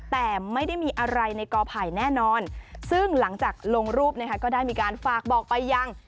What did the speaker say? แต่ไม่ได้มีอะไรในกอไผ่แน่นอนซึ่งหลังจากลงรูปนะคะก็ได้มีการฝากบอกไปยัง